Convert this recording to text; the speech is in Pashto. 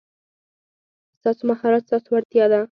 ستاسو مهارت ستاسو وړتیا ده.